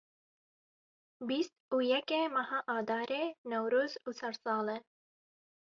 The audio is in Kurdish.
Bîst û yekê meha Adarê Newroz û Sersal e.